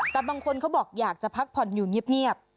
แต่บางคนเขาบอกอยากจะพักผ่อนอยู่เงียบ